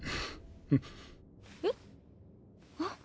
えっ？あっ。